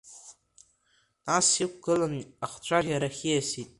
Нас иқәгыланы ахцәажәарахь ииасит.